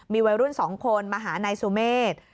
มีวัยรุ่น๒คนมาหานายสุเมฆ